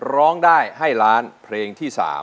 ร้องได้ให้ล้านเพลงที่๓